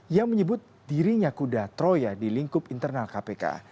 yang menyebut dirinya kuda troya di lingkup internal kpk